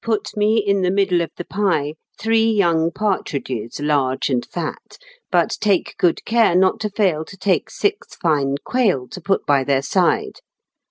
("Put me in the middle of the pie three young partridges large and fat; But take good care not to fail to take six fine quail to put by their side.